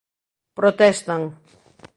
Protestan.